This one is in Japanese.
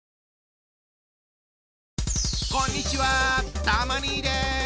こんにちはたま兄です。